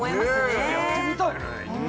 ちょっとやってみたいね１回。